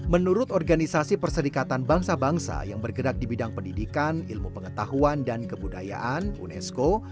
menurut organisasi perserikatan bangsa bangsa yang bergerak di bidang pendidikan ilmu pengetahuan dan kebudayaan unesco